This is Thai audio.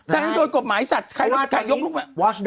ถ้าโดนกฎหมายสัตว์ใครก็ยกลูกแมว